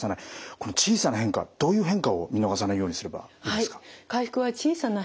この小さな変化どういう変化を見逃さないようにすればいいですか。